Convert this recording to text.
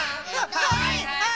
はいはい！